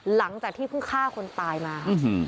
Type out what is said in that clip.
หลังจากที่เพิ่งฆ่าคนตายมา